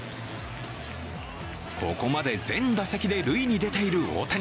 ここまで全打席で塁に出ている大谷。